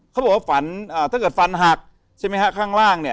เขาบอกว่าฝันถ้าเกิดฟันหักใช่ไหมฮะข้างล่างเนี่ย